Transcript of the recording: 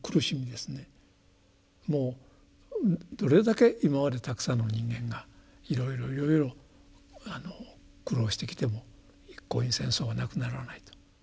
もうどれだけ今までたくさんの人間がいろいろいろいろ苦労してきても一向に戦争はなくならないと。